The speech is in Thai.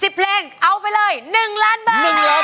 สิบเพลงเอาไปเลยหนึ่งล้านบาท